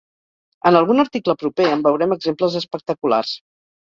En algun article proper en veurem exemples espectaculars.